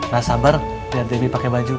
gak sabar liat debbie pake baju